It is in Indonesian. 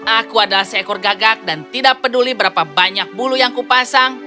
aku adalah seekor gagak dan tidak peduli berapa banyak bulu yang kupasang